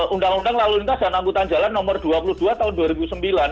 undang undang lalu lintas dan angkutan jalan nomor dua puluh dua tahun dua ribu sembilan